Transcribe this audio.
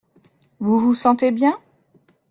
Vous vous sentez bien ?